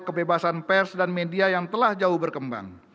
kebebasan pers dan media yang telah jauh berkembang